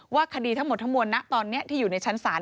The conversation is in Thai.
ว่าคดีทั้งหมดทั้งหมวดตอนนี้ที่อยู่ในชั้นสาร